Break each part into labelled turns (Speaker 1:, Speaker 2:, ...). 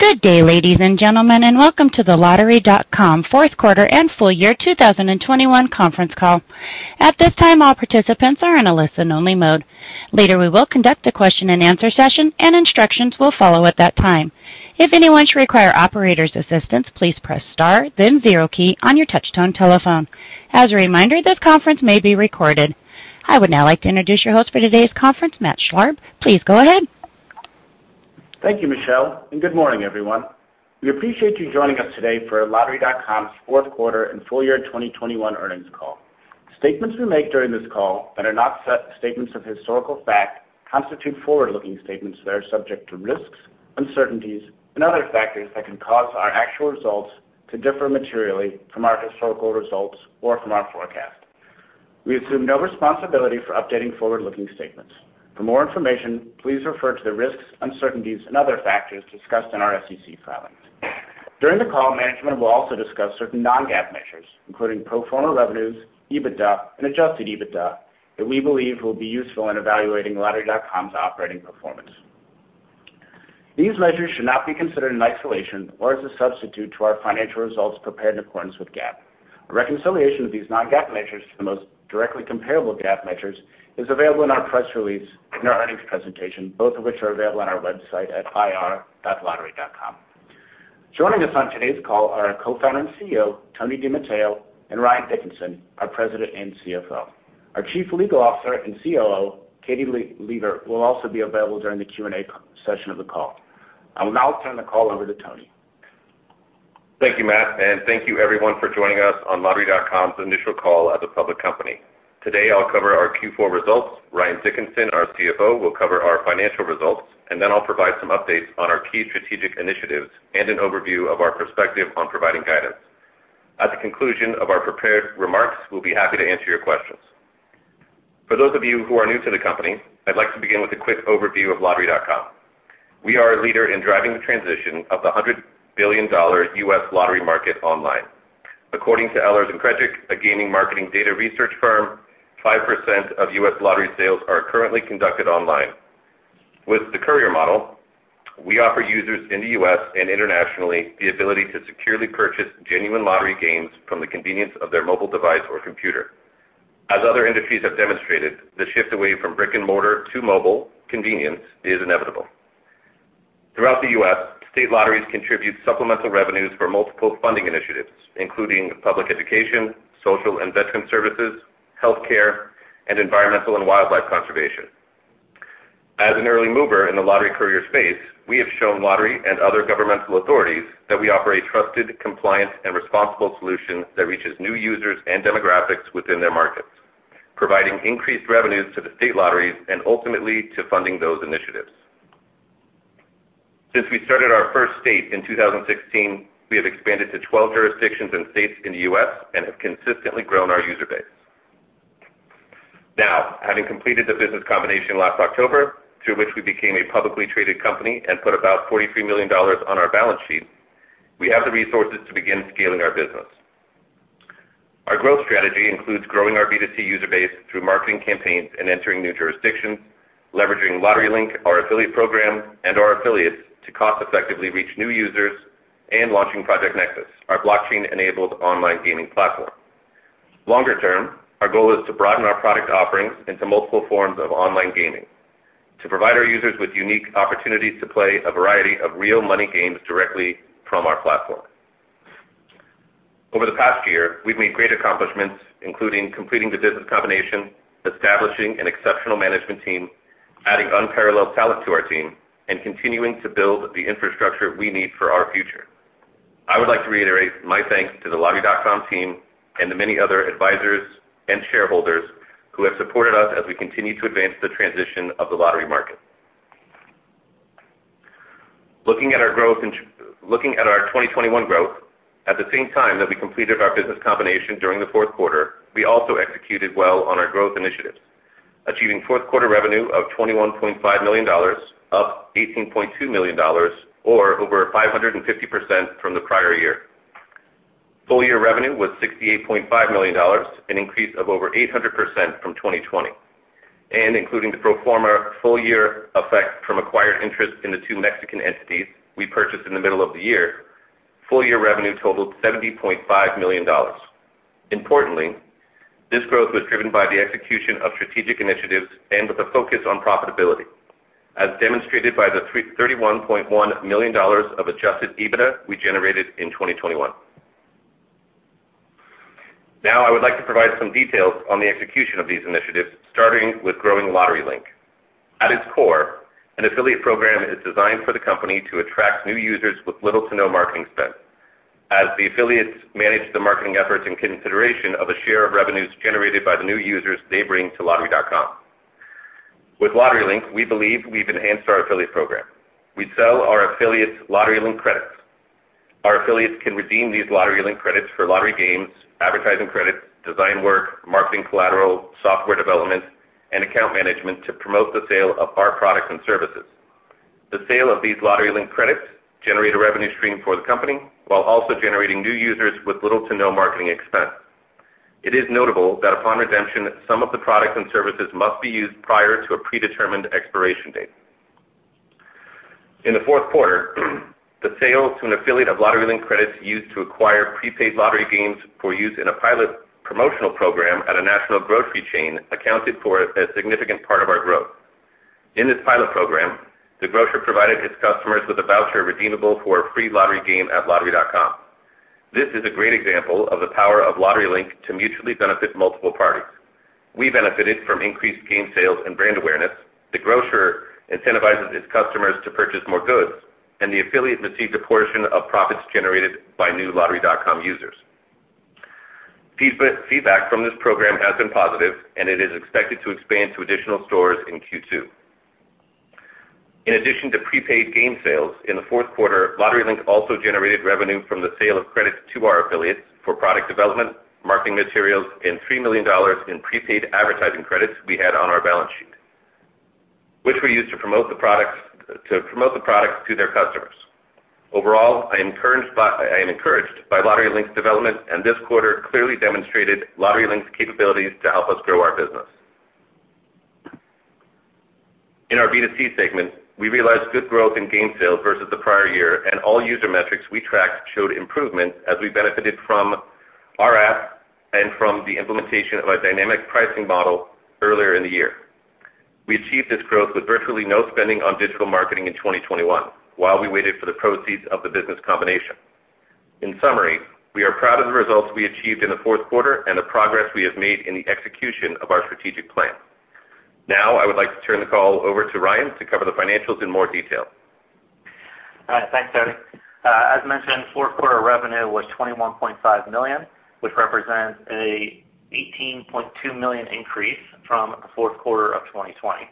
Speaker 1: Good day, ladies and gentlemen, and welcome to the Lottery.com fourth quarter and full year 2021 conference call. At this time, all participants are in a listen only mode. Later, we will conduct a question-and-answer session, and instructions will follow at that time. If anyone should require operator's assistance, please press *, then 0 key on your touchtone telephone. As a reminder, this conference may be recorded. I would now like to introduce your host for today's conference, Matt Schlarb. Please go ahead.
Speaker 2: Thank you, Michelle, and good morning, everyone. We appreciate you joining us today for Lottery.com's fourth quarter and full year 2021 earnings call. Statements we make during this call that are not set statements of historical fact constitute forward-looking statements that are subject to risks, uncertainties, and other factors that can cause our actual results to differ materially from our historical results or from our forecast. We assume no responsibility for updating forward-looking statements. For more information, please refer to the risks, uncertainties, and other factors discussed in our SEC filings. During the call, management will also discuss certain non-GAAP measures, including pro forma revenues, EBITDA, and adjusted EBITDA that we believe will be useful in evaluating Lottery.com's operating performance. These measures should not be considered in isolation or as a substitute to our financial results prepared in accordance with GAAP. A reconciliation of these non-GAAP measures to the most directly comparable GAAP measures is available in our press release in our earnings presentation, both of which are available on our website at ir.lottery.com. Joining us on today's call are our co-founder and CEO, Tony DiMatteo, and Ryan Dickinson, our president and CFO. Our Chief Legal Officer and COO, Katie Lever, will also be available during the Q&A session of the call. I will now turn the call over to Tony.
Speaker 3: Thank you, Matt, and thank you everyone for joining us on Lottery.com's initial call as a public company. Today, I'll cover our Q4 results. Ryan Dickinson, our CFO, will cover our financial results, and then I'll provide some updates on our key strategic initiatives and an overview of our prospective on providing guidance. At the conclusion of our prepared remarks, we'll be happy to answer your questions. For those of you who are new to the company, I'd like to begin with a quick overview of Lottery.com. We are a leader in driving the transition of the $100 billion U.S. lottery market online. According to Eilers & Krejcik, a gaming marketing data research firm, 5% of U.S. lottery sales are currently conducted online. With the courier model, we offer users in the U.S. and internationally the ability to securely purchase genuine lottery games from the convenience of their mobile device or computer. As other industries have demonstrated, the shift away from brick and mortar to mobile convenience is inevitable. Throughout the U.S., state lotteries contribute supplemental revenues for multiple funding initiatives, including public education, social and veteran services, healthcare, and environmental and wildlife conservation. As an early mover in the lottery courier space, we have shown lottery and other governmental authorities that we offer a trusted, compliant, and responsible solution that reaches new users and demographics within their markets, providing increased revenues to the state lotteries and ultimately to funding those initiatives. Since we started our first state in 2016, we have expanded to 12 jurisdictions and states in the U.S. and have consistently grown our user base. Now, having completed the business combination last October, through which we became a publicly traded company and put about $43 million on our balance sheet, we have the resources to begin scaling our business. Our growth strategy includes growing our B2C user base through marketing campaigns and entering new jurisdictions, leveraging LotteryLink, our affiliate program, and our affiliates to cost effectively reach new users and launching Project Nexus, our blockchain-enabled online gaming platform. Longer term, our goal is to broaden our product offerings into multiple forms of online gaming to provide our users with unique opportunities to play a variety of real money games directly from our platform. Over the past year, we've made great accomplishments, including completing the business combination, establishing an exceptional management team, adding unparalleled talent to our team, and continuing to build the infrastructure we need for our future. I would like to reiterate my thanks to the Lottery.com team and the many other advisors and shareholders who have supported us as we continue to advance the transition of the lottery market. Looking at our 2021 growth, at the same time that we completed our business combination during the fourth quarter, we also executed well on our growth initiatives, achieving fourth quarter revenue of $21.5 million, up $18.2 million or over 550% from the prior year. Full year revenue was $68.5 million, an increase of over 800% from 2020. Including the pro forma full year effect from acquired interest in the two Mexican entities we purchased in the middle of the year, full year revenue totaled $70.5 million. Importantly, this growth was driven by the execution of strategic initiatives and with a focus on profitability, as demonstrated by the $31.1 million of adjusted EBITDA we generated in 2021. Now I would like to provide some details on the execution of these initiatives, starting with growing LotteryLink. At its core, an affiliate program is designed for the company to attract new users with little to no marketing spend as the affiliates manage the marketing efforts in consideration of a share of revenues generated by the new users they bring to Lottery.com. With LotteryLink, we believe we've enhanced our affiliate program. We sell our affiliates LotteryLink credits. Our affiliates can redeem these LotteryLink credits for lottery games, advertising credits, design work, marketing collateral, software development, and account management to promote the sale of our products and services. The sale of these LotteryLink credits generate a revenue stream for the company while also generating new users with little to no marketing expense. It is notable that upon redemption, some of the products and services must be used prior to a predetermined expiration date. In the fourth quarter, the sales to an affiliate of LotteryLink credits used to acquire prepaid lottery games for use in a pilot promotional program at a national grocery chain accounted for a significant part of our growth. In this pilot program, the grocer provided its customers with a voucher redeemable for a free lottery game at lottery.com. This is a great example of the power of LotteryLink to mutually benefit multiple parties. We benefited from increased game sales and brand awareness, the grocer incentivizes its customers to purchase more goods, and the affiliate received a portion of profits generated by new lottery.com users. Feedback from this program has been positive, and it is expected to expand to additional stores in Q2. In addition to prepaid game sales, in the fourth quarter, LotteryLink also generated revenue from the sale of credits to our affiliates for product development, marketing materials, and $3 million in prepaid advertising credits we had on our balance sheet, which we use to promote the products to their customers. Overall, I am encouraged by LotteryLink's development, and this quarter clearly demonstrated LotteryLink's capabilities to help us grow our business. In our B2C segment, we realized good growth in game sales versus the prior year, and all user metrics we tracked showed improvement as we benefited from our app and from the implementation of our dynamic pricing model earlier in the year. We achieved this growth with virtually no spending on digital marketing in 2021 while we waited for the proceeds of the business combination. In summary, we are proud of the results we achieved in the fourth quarter and the progress we have made in the execution of our strategic plan. Now I would like to turn the call over to Ryan to cover the financials in more detail.
Speaker 4: All right. Thanks, Tony. As mentioned, fourth quarter revenue was $21.5 million, which represents a $18.2 million increase from the fourth quarter of 2020.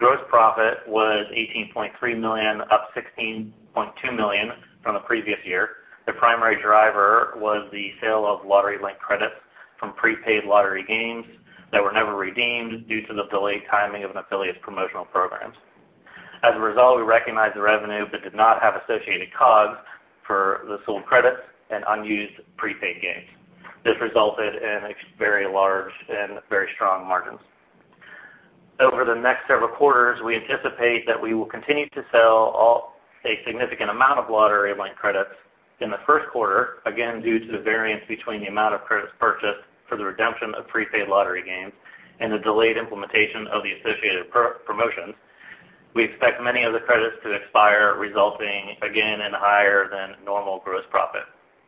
Speaker 4: Gross profit was $18.3 million, up $16.2 million from the previous year. The primary driver was the sale of LotteryLink credits from prepaid lottery games that were never redeemed due to the delayed timing of an affiliate's promotional programs. As a result, we recognized the revenue but did not have associated costs for the sold credits and unused prepaid games. This resulted in very large and very strong margins. Over the next several quarters, we anticipate that we will continue to sell a significant amount of LotteryLink credits in the first quarter, again, due to the variance between the amount of credits purchased for the redemption of prepaid lottery games and the delayed implementation of the associated promotions. We expect many of the credits to expire, resulting again in higher than normal gross profit.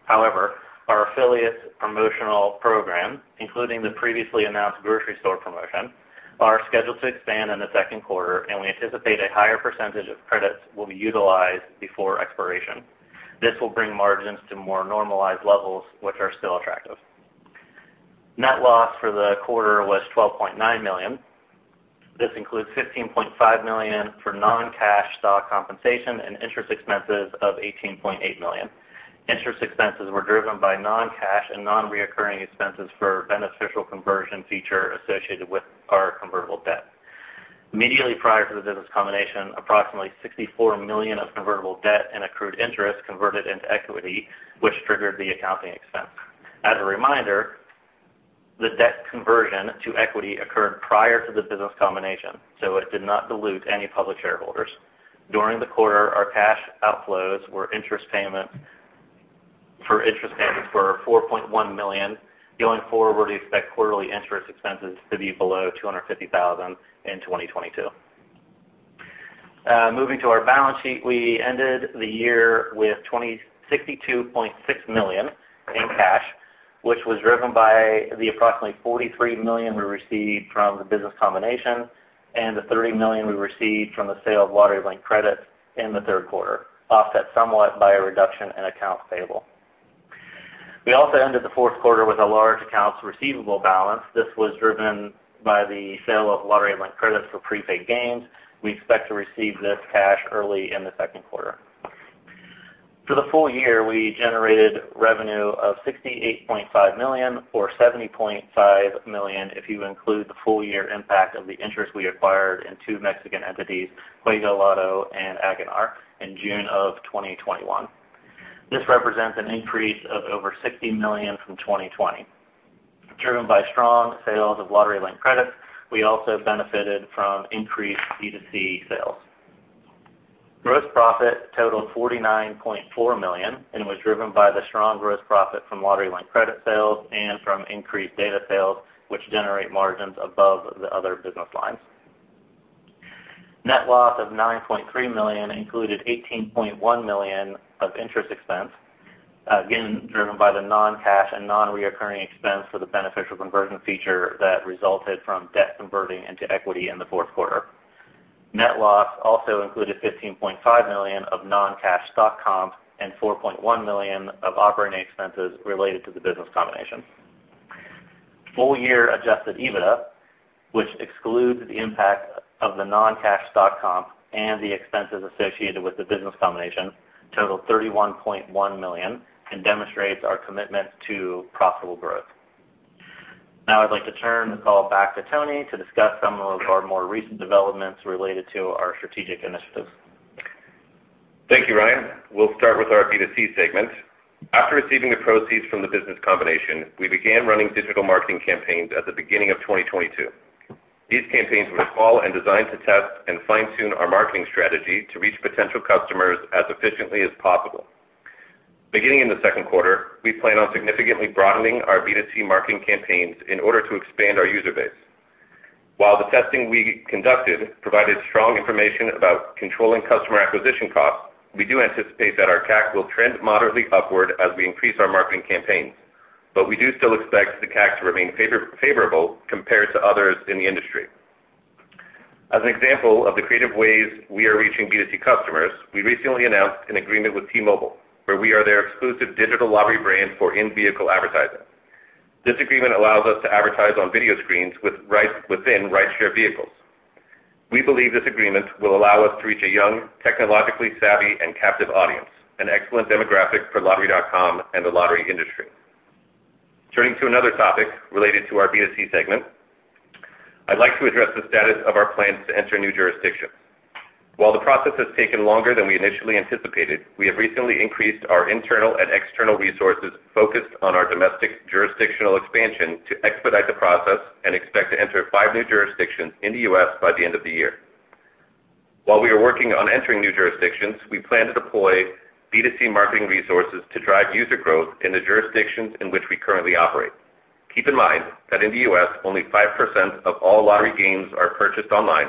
Speaker 4: However, our affiliates promotional program, including the previously announced grocery store promotion, are scheduled to expand in the second quarter, and we anticipate a higher percentage of credits will be utilized before expiration. This will bring margins to more normalized levels, which are still attractive. Net loss for the quarter was $12.9 million. This includes $15.5 million for non-cash stock compensation and interest expenses of $18.8 million. Interest expenses were driven by non-cash and non-recurring expenses for beneficial conversion feature associated with our convertible debt. Immediately prior to the business combination, approximately $64 million of convertible debt and accrued interest converted into equity, which triggered the accounting expense. As a reminder, the debt conversion to equity occurred prior to the business combination, so it did not dilute any public shareholders. During the quarter, our cash outflows for interest payments were $4.1 million. Going forward, we expect quarterly interest expenses to be below $250,000 in 2022. Moving to our balance sheet. We ended the year with $62.6 million in cash, which was driven by the approximately $43 million we received from the business combination and the $30 million we received from the sale of LotteryLink credits in the third quarter, offset somewhat by a reduction in accounts payable. We also ended the fourth quarter with a large accounts receivable balance. This was driven by the sale of LotteryLink credits for prepaid games. We expect to receive this cash early in the second quarter. For the full year, we generated revenue of $68.5 million or $70.5 million if you include the full year impact of the interest we acquired in two Mexican entities, JuegaLotto and Aganar, in June of 2021. This represents an increase of over $60 million from 2020. Driven by strong sales of LotteryLink credits, we also benefited from increased B2C sales. Gross profit totaled $49.4 million and was driven by the strong gross profit from LotteryLink credit sales and from increased data sales, which generate margins above the other business lines. Net loss of $9.3 million included $18.1 million of interest expense, again driven by the non-cash and non-recurring expense for the beneficial conversion feature that resulted from debt converting into equity in the fourth quarter. Net loss also included $15.5 million of non-cash stock comp and $4.1 million of operating expenses related to the business combination. Full year adjusted EBITDA, which excludes the impact of the non-cash stock comp and the expenses associated with the business combination, totaled $31.1 million and demonstrates our commitment to profitable growth. Now I'd like to turn the call back to Tony to discuss some of our more recent developments related to our strategic initiatives.
Speaker 3: Thank you, Ryan. We'll start with our B2C segment. After receiving the proceeds from the business combination, we began running digital marketing campaigns at the beginning of 2022. These campaigns were small and designed to test and fine-tune our marketing strategy to reach potential customers as efficiently as possible. Beginning in the second quarter, we plan on significantly broadening our B2C marketing campaigns in order to expand our user base. While the testing we conducted provided strong information about controlling customer acquisition costs, we do anticipate that our CAC will trend moderately upward as we increase our marketing campaigns. We do still expect the CAC to remain favorable compared to others in the industry. As an example of the creative ways we are reaching B2C customers, we recently announced an agreement with T-Mobile, where we are their exclusive digital lottery brand for in-vehicle advertising. This agreement allows us to advertise on video screens within Rideshare vehicles. We believe this agreement will allow us to reach a young, technologically savvy and captive audience, an excellent demographic for Lottery.com and the lottery industry. Turning to another topic related to our B2C segment, I'd like to address the status of our plans to enter new jurisdictions. While the process has taken longer than we initially anticipated, we have recently increased our internal and external resources focused on our domestic jurisdictional expansion to expedite the process and expect to enter five new jurisdictions in the U.S. by the end of the year. While we are working on entering new jurisdictions, we plan to deploy B2C marketing resources to drive user growth in the jurisdictions in which we currently operate. Keep in mind that in the U.S., only 5% of all lottery games are purchased online,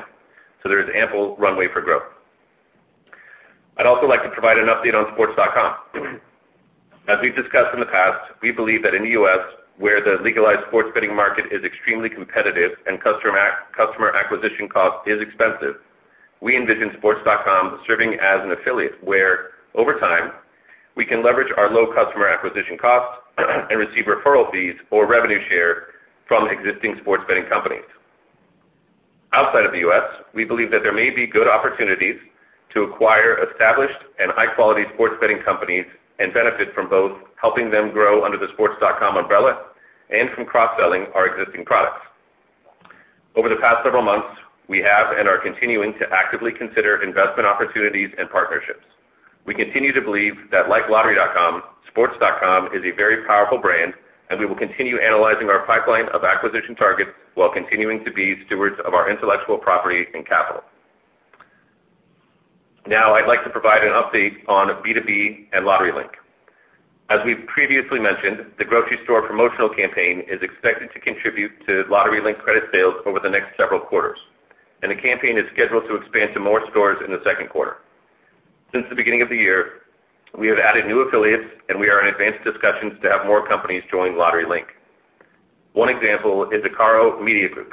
Speaker 3: so there is ample runway for growth. I'd also like to provide an update on sports.com. As we've discussed in the past, we believe that in the U.S., where the legalized sports betting market is extremely competitive and customer acquisition cost is expensive, we envision sports.com serving as an affiliate, where over time, we can leverage our low customer acquisition costs and receive referral fees or revenue share from existing sports betting companies. Outside of the U.S., we believe that there may be good opportunities to acquire established and high-quality sports betting companies and benefit from both helping them grow under the sports.com umbrella and from cross-selling our existing products. Over the past several months, we have and are continuing to actively consider investment opportunities and partnerships. We continue to believe that like lottery.com, sports.com is a very powerful brand, and we will continue analyzing our pipeline of acquisition targets while continuing to be stewards of our intellectual property and capital. Now, I'd like to provide an update on B2B and LotteryLink. As we've previously mentioned, the grocery store promotional campaign is expected to contribute to LotteryLink credit sales over the next several quarters, and the campaign is scheduled to expand to more stores in the second quarter. Since the beginning of the year, we have added new affiliates, and we are in advanced discussions to have more companies join LotteryLink. One example is ICARO Media Group,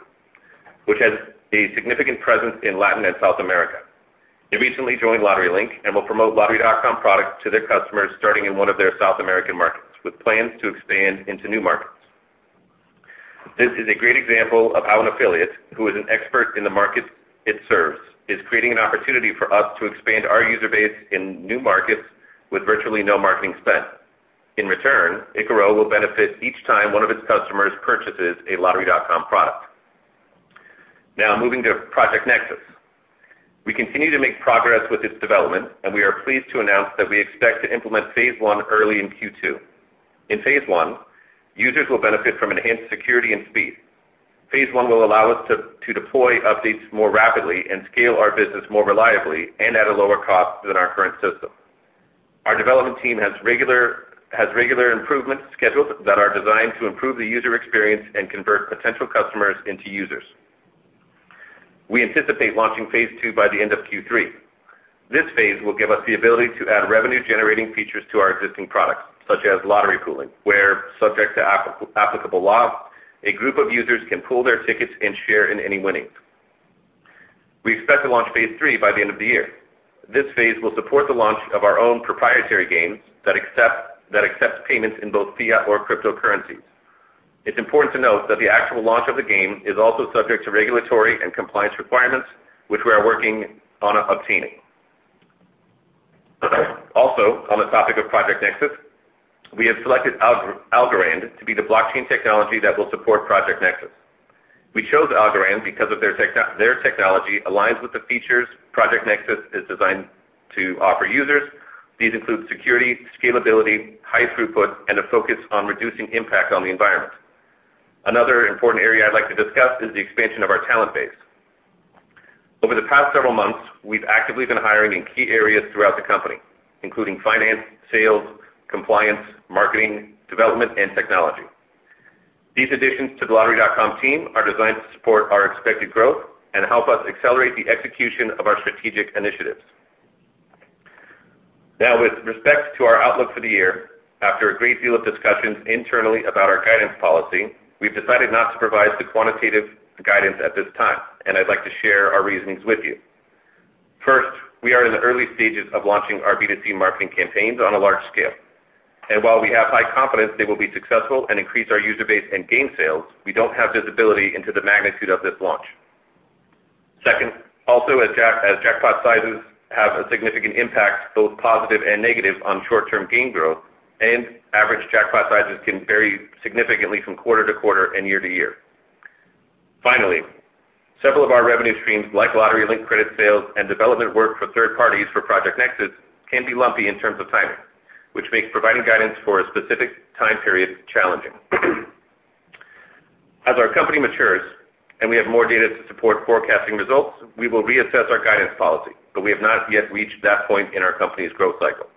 Speaker 3: which has a significant presence in Latin and South America. They recently joined LotteryLink and will promote lottery.com products to their customers starting in one of their South American markets, with plans to expand into new markets. This is a great example of how an affiliate, who is an expert in the markets it serves, is creating an opportunity for us to expand our user base in new markets with virtually no marketing spend. In return, ICARO will benefit each time one of its customers purchases a lottery.com product. Now moving to Project Nexus. We continue to make progress with its development, and we are pleased to announce that we expect to implement phase one early in Q2. In phase one, users will benefit from enhanced security and speed. Phase one will allow us to deploy updates more rapidly and scale our business more reliably and at a lower cost than our current system. Our development team has regular improvements scheduled that are designed to improve the user experience and convert potential customers into users. We anticipate launching phase two by the end of Q3. This phase will give us the ability to add revenue-generating features to our existing products, such as lottery pooling, where, subject to applicable law, a group of users can pool their tickets and share in any winnings. We expect to launch phase three by the end of the year. This phase will support the launch of our own proprietary games that accept payments in both fiat or cryptocurrencies. It's important to note that the actual launch of the game is also subject to regulatory and compliance requirements, which we are working on obtaining. Also, on the topic of Project Nexus, we have selected Algorand to be the blockchain technology that will support Project Nexus. We chose Algorand because of their technology aligns with the features Project Nexus is designed to offer users. These include security, scalability, high throughput, and a focus on reducing impact on the environment. Another important area I'd like to discuss is the expansion of our talent base. Over the past several months, we've actively been hiring in key areas throughout the company, including finance, sales, compliance, marketing, development, and technology. These additions to the Lottery.com team are designed to support our expected growth and help us accelerate the execution of our strategic initiatives. Now, with respect to our outlook for the year, after a great deal of discussions internally about our guidance policy, we've decided not to provide the quantitative guidance at this time, and I'd like to share our reasonings with you. First, we are in the early stages of launching our B2C marketing campaigns on a large scale, and while we have high confidence they will be successful and increase our user base and gain sales, we don't have visibility into the magnitude of this launch. Second, also, as jackpot sizes have a significant impact, both positive and negative, on short-term game growth, and average jackpot sizes can vary significantly from quarter to quarter and year to year. Finally, several of our revenue streams, like LotteryLink credit sales and development work for third parties for Project Nexus, can be lumpy in terms of timing, which makes providing guidance for a specific time period challenging. As our company matures and we have more data to support forecasting results, we will reassess our guidance policy, but we have not yet reached that point in our company's growth cycle.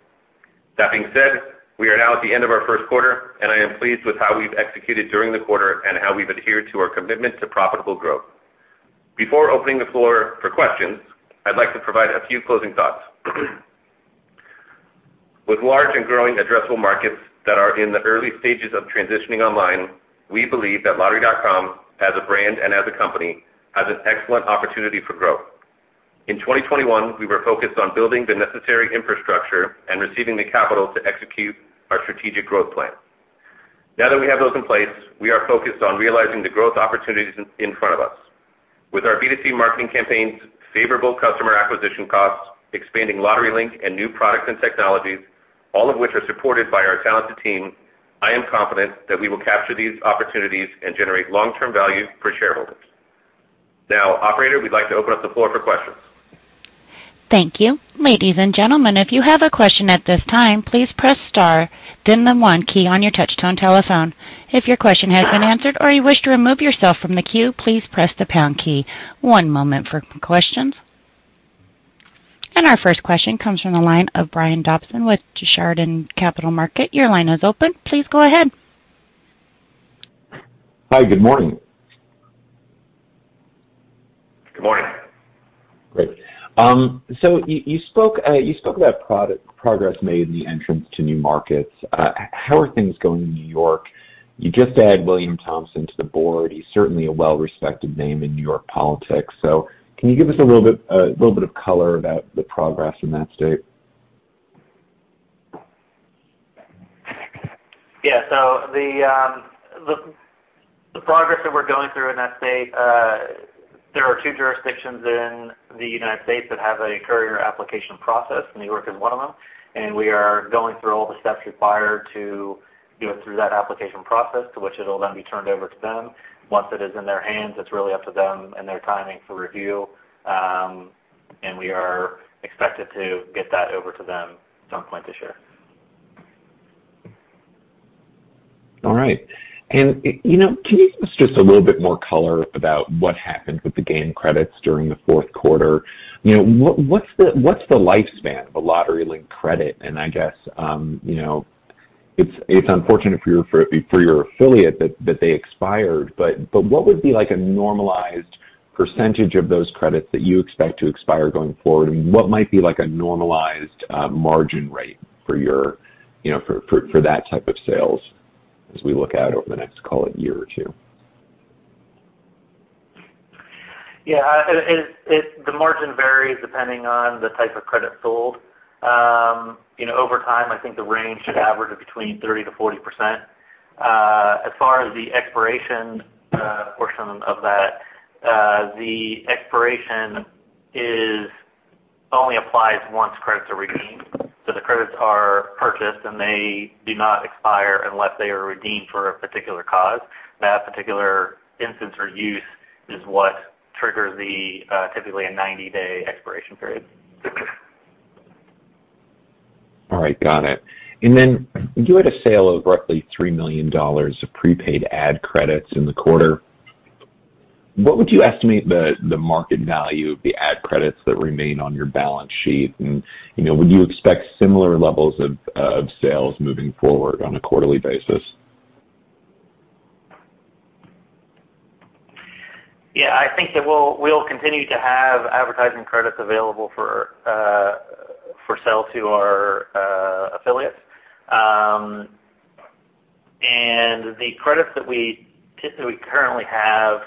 Speaker 3: That being said, we are now at the end of our first quarter, and I am pleased with how we've executed during the quarter and how we've adhered to our commitment to profitable growth. Before opening the floor for questions, I'd like to provide a few closing thoughts. With large and growing addressable markets that are in the early stages of transitioning online, we believe that Lottery.com, as a brand and as a company, has an excellent opportunity for growth. In 2021, we were focused on building the necessary infrastructure and receiving the capital to execute our strategic growth plan. Now that we have those in place, we are focused on realizing the growth opportunities in front of us. With our B2C marketing campaigns, favorable customer acquisition costs, expanding LotteryLink and new products and technologies, all of which are supported by our talented team, I am confident that we will capture these opportunities and generate long-term value for shareholders. Now, operator, we'd like to open up the floor for questions.
Speaker 1: Thank you. Ladies and gentlemen, if you have a question at this time, please press * then the 1 key on your touchtone telephone. If your question has been answered or you wish to remove yourself from the queue, please press the # key. One moment for questions. Our first question comes from the line of Brian Dobson with Chardan Capital Markets. Your line is open. Please go ahead.
Speaker 5: Hi. Good morning.
Speaker 3: Good morning.
Speaker 5: Great. You spoke about progress made in the entry into new markets. How are things going in New York? You just add William Thompson to the board. He's certainly a well-respected name in New York politics. Can you give us a little bit of color about the progress in that state?
Speaker 4: The progress that we're going through in that state. There are two jurisdictions in the United States that have a courier application process. New York is one of them, and we are going through all the steps required to go through that application process to which it'll then be turned over to them. Once it is in their hands, it's really up to them and their timing for review. We are expected to get that over to them some point this year.
Speaker 5: All right. You know, can you give us just a little bit more color about what happened with the game credits during the fourth quarter? You know, what's the lifespan of a LotteryLink credit? I guess, you know, it's unfortunate for your affiliate that they expired, but what would be like a normalized percentage of those credits that you expect to expire going forward? What might be like a normalized margin rate for your, you know, for that type of sales as we look out over the next, call it, year or two?
Speaker 4: Yeah, it's the margin varies depending on the type of credit sold. You know, over time, I think the range should average between 30%-40%. As far as the expiration portion of that, the expiration only applies once credits are redeemed. The credits are purchased, and they do not expire unless they are redeemed for a particular case. That particular instance or use is what triggers typically a 90-day expiration period.
Speaker 5: All right, got it. You had a sale of roughly $3 million of prepaid ad credits in the quarter. What would you estimate the market value of the ad credits that remain on your balance sheet? You know, would you expect similar levels of sales moving forward on a quarterly basis?
Speaker 4: Yeah, I think that we'll continue to have advertising credits available for sale to our affiliates. The credits that we currently have,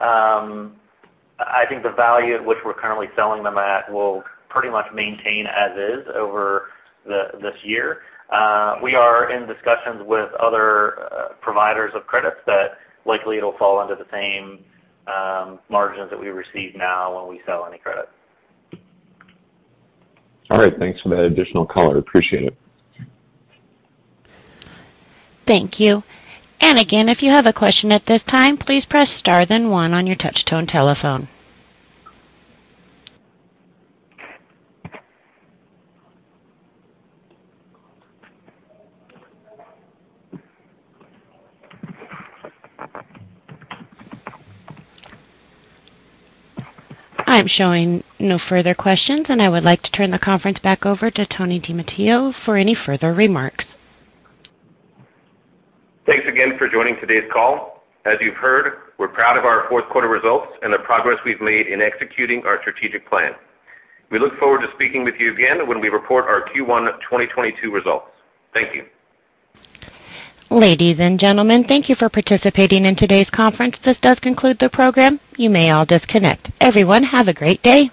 Speaker 4: I think the value at which we're currently selling them at will pretty much maintain as is over this year. We are in discussions with other providers of credits that likely it'll fall under the same margins that we receive now when we sell any credit.
Speaker 5: All right. Thanks for that additional color. Appreciate it.
Speaker 1: Thank you. Again, if you have a question at this time, please press * then 1 on your touch tone telephone. I am showing no further questions, and I would like to turn the conference back over to Tony DiMatteo for any further remarks.
Speaker 3: Thanks again for joining today's call. As you've heard, we're proud of our fourth quarter results and the progress we've made in executing our strategic plan. We look forward to speaking with you again when we report our Q1 2022 results. Thank you.
Speaker 1: Ladies and gentlemen, thank you for participating in today's conference. This does conclude the program. You may all disconnect. Everyone, have a great day.